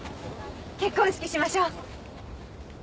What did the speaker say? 結婚式しましょう。